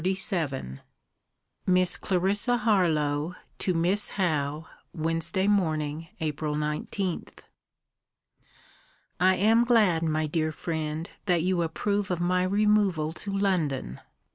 LETTER XXXVII MISS CLARISSA HARLOWE, TO MISS HOWE WEDN. MORNING, APRIL 19. I am glad, my dear friend, that you approve of my removal to London.